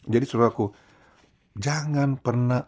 jadi sejauh aku jangan pernah